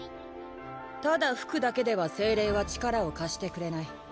ただ吹くだけでは精霊は力を貸してくれない。